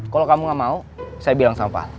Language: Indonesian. kalau kamu gak mau saya bilang sampah